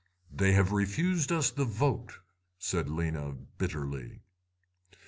"'They have refused us the vote,' said Lena bitterly.